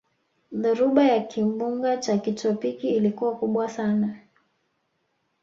dhoruba ya kimbunga cha kitropiki ilikuwa kubwa sana